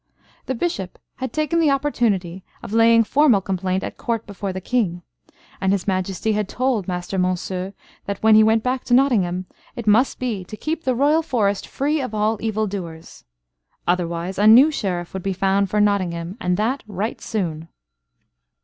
The Bishop had taken the opportunity of laying formal complaint at Court before the King; and his Majesty had told Master Monceux that when he went back to Nottingham it must be to keep the Royal forest free of all evil doers. Otherwise a new Sheriff would be found for Nottingham, and that right soon.